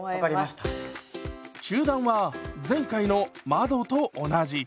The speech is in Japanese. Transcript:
中段は前回の窓と同じ。